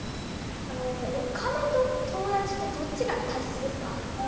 あのお金と友だちってどっちが大切ですか？